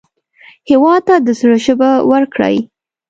هېواد ته د زړه ژبه ورکړئ